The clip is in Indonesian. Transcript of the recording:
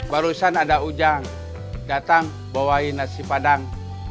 barusan ada ujang datang bawain nasi padang